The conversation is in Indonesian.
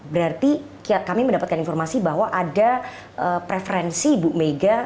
berarti kami mendapatkan informasi bahwa ada preferensi ibu mega